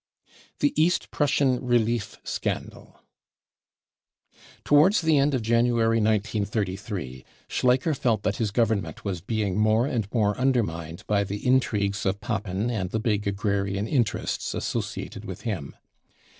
The East Prussian relief scandal. Towards the end of ' January 1933, Schleicher felt that his Government was being more and more undermined by the intrigues of Papen and the big agrarian interests associated with him.